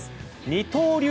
二刀流